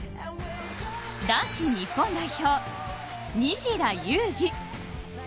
男子日本代表・西田有志。